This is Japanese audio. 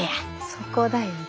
そこだよね。